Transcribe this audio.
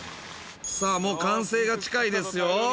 さあ、もう完成が近いですよ。